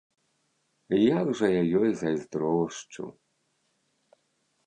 Як жа я ёй зайздрошчу!